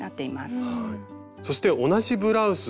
そして同じブラウス。